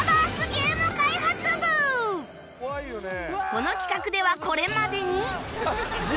この企画ではこれまでに